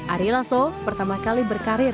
arilaso pertama kali berkarir